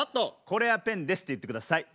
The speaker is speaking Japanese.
これはペンですって言ってください。